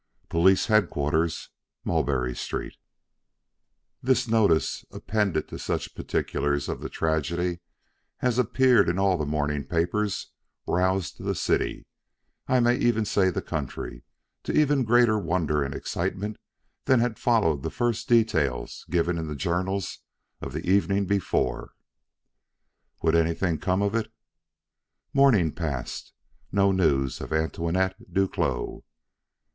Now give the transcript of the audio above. Police Headquarters, Mulberry St. This notice, appended to such particulars of the tragedy as appeared in all the morning papers, roused the city I may even say the country to even greater wonder and excitement than had followed the first details given in the journals of the evening before. Would anything come of it? Morning passed; no news of Antoinette Duclos.